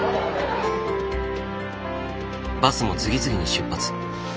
バスも次々に出発。